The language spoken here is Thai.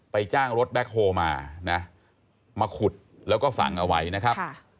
จ้างรถแบ็คโฮมานะมาขุดแล้วก็ฝังเอาไว้นะครับ